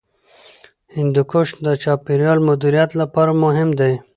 هندوکش د چاپیریال مدیریت لپاره مهم دی.